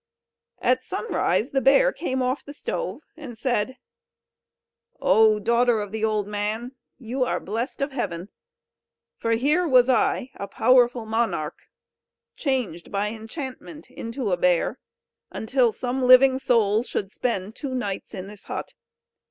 At sunrise the bear came off the stove, and said: "O daughter of the old man! you are blest of heaven! For here was I, a powerful monarch, changed by enchantment into a bear, until some living soul should spend two nights in this hut.